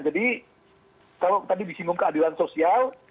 jadi kalau tadi disinggung keadilan sosial